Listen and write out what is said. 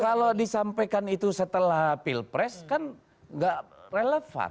kalau disampaikan itu setelah pilpres kan gak relevan